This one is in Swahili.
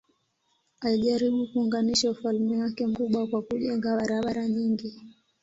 Alijaribu kuunganisha ufalme wake mkubwa kwa kujenga barabara nyingi.